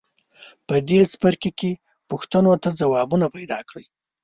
په دې څپرکي کې پوښتنو ته ځوابونه پیداکړئ.